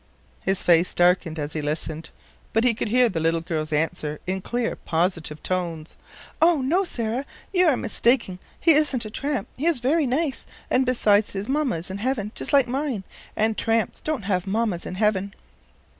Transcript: His face darkened as he listened, but he could hear the little girl's answer in clear, positive tones: "O, no, Sarah! you are mistaken. He isn't a tramp; he is very nice. And besides, his mamma is in heaven, just like mine, and tramps don't have mammas in heaven."